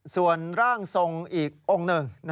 ส่วนร่างทรงอีกองค์หนึ่ง